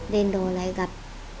đến đó lại gặp